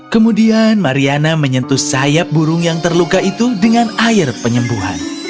kemudian mariana menyentuh sayap burung yang terluka itu dengan air penyembuhan